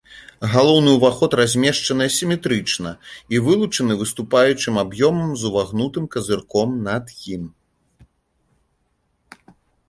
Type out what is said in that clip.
Галоўны ўваход размешчаны асіметрычна і вылучаны выступаючым аб'ёмам з увагнутым казырком над ім.